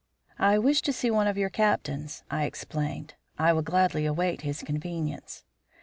"I wish to see one of your captains," I explained. "I will gladly await his convenience."